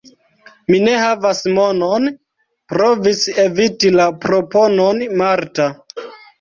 Mi ne havas monon – provis eviti la proponon Marta.